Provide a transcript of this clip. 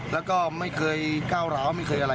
แล้วก็ไม่เคยก้าวร้าวไม่เคยอะไร